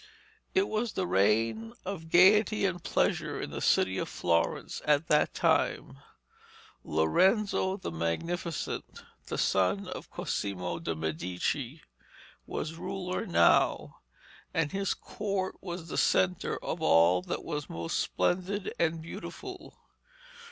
It was the reign of gaiety and pleasure in the city of Florence at that time. Lorenzo the Magnificent, the son of Cosimo de Medici, was ruler now, and his court was the centre of all that was most splendid and beautiful.